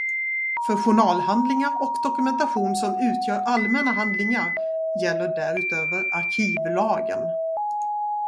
För journalhandlingar och dokumentation som utgör allmänna handlingar gäller därutöver arkivlagen.